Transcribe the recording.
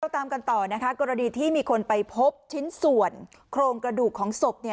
ตามกันต่อนะคะกรณีที่มีคนไปพบชิ้นส่วนโครงกระดูกของศพ